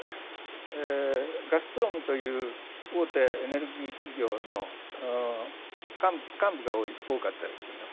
ガスプロムという大手エネルギー企業の幹部が多かったですけどね。